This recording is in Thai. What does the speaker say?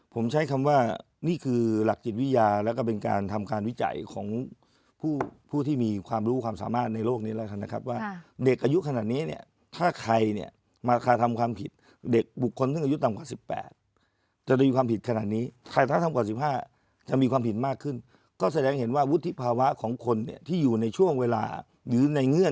ผมใช้คำว่านี่คือหลักจิตวิทยาแล้วก็เป็นการทำการวิจัยของผู้ที่มีความรู้ความสามารถในโลกนี้แล้วกันนะครับว่าเด็กอายุขนาดนี้เนี่ยถ้าใครเนี่ยมากระทำความผิดเด็กบุคคลซึ่งอายุต่ำกว่า๑๘จะมีความผิดขนาดนี้แต่ถ้าทำกว่า๑๕จะมีความผิดมากขึ้นก็แสดงเห็นว่าวุฒิภาวะของคนเนี่ยที่อยู่ในช่วงเวลาหรือในเงื่อน